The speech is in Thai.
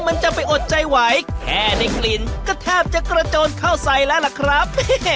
มันจะไปอดใจไหวแค่ได้กลิ่นก็แทบจะกระโจนเข้าใส่แล้วล่ะครับ